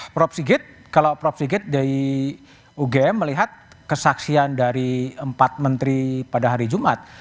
prof sigit kalau prof sigit dari ugm melihat kesaksian dari empat menteri pada hari jumat